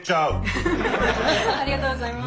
ありがとうございます。